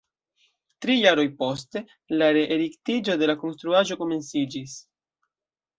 Tri jaroj poste, la re-erektiĝo de la konstruaĵo komenciĝis.